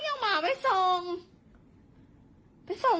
ยังมาไม่ส่ง